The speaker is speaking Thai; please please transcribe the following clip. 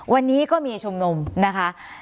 วันนี้ก็มีชุมนุมนะคะ